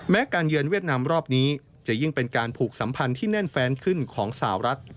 การเยือนเวียดนามรอบนี้จะยิ่งเป็นการผูกสัมพันธ์ที่แน่นแฟนขึ้นของสาวรัฐ